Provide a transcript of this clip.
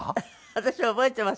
私覚えてますよ。